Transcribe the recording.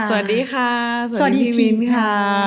สวัสดีค่ะสวัสดีพี่วินค่ะ